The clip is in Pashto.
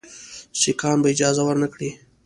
سیکهان به اجازه ورنه کړي.